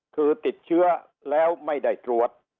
คือติดเชื้อแล้วไม่ได้ตรวจ